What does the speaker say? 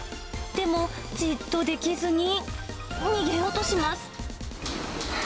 でも、じっとできずに、逃げようとします。